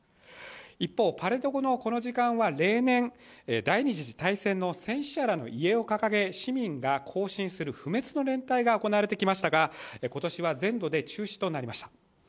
一方、パレード後のこの時間は例年、第二次世界大戦の戦死者らの遺影を掲げて市民が行進する不滅の連隊が行われてきましたが今年は全土で中止となりました。